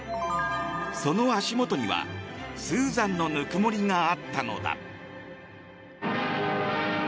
その足元には、スーザンのぬくもりがあったのだ。